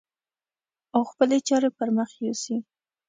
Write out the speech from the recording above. او خپلې چارې پر مخ يوسي.